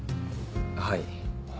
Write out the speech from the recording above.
はい。